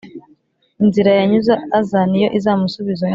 Inzira yanyuze aza, ni yo izamusubizayo,